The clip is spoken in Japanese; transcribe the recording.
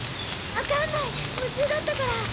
分かんない夢中だったから。